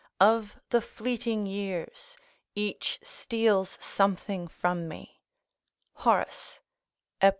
["Of the fleeting years each steals something from me." Horace, Ep.